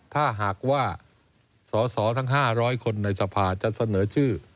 ถ้าหากว่าสสทั้ง๕๐๐คนในสภาจะเสนอชื่อ